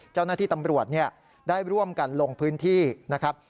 เจ้าหน้าที่ตำรวจได้ร่วมกันลงพื้นที่นะครับ